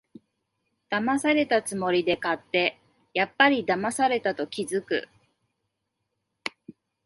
だまされたつもりで買って、やっぱりだまされたと気づく